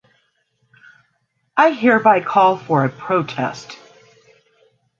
I hereby call for a protest.